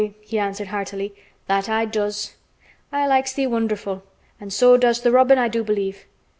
he answered heartily, "that I does. I likes thee wonderful, an' so does th' robin, I do believe!"